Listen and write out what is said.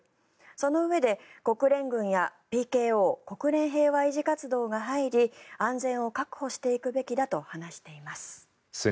そのうえで、国連軍やＰＫＯ・国連平和維持活動が入り安全を確保していくべきだと話しています。